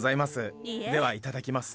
ではいただきます。